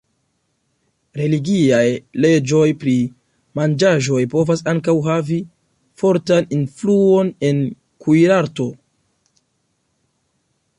Religiaj leĝoj pri manĝaĵoj povas ankaŭ havi fortan influon en kuirarto.